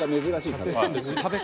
食べ方